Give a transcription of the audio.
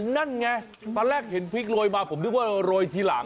นั่นไงตอนแรกเห็นพริกโรยมาผมนึกว่าโรยทีหลัง